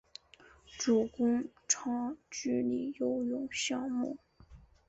主攻长距离游泳项目。